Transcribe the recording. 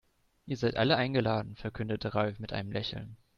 Ihr seid alle eingeladen, verkündete Ralf mit einem Lächeln.